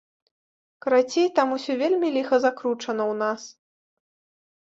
Карацей, там усё вельмі ліха закручана ў нас!